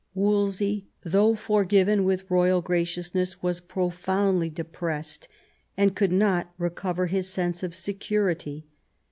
Wolsey, though forgiven with royal graciousness, was profoundly depressed, and could not recover his sense of security.